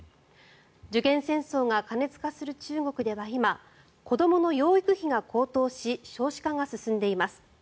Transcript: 受験戦争が過熱化する中国では今、子どもの養育費が高騰し少子化が進んでいます。